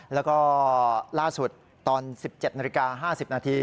แล้วก็ล่าสุดตอน๑๗นาฬิกา๕๐นาที